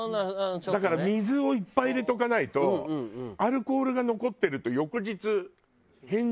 だから水をいっぱい入れておかないとアルコールが残ってると翌日。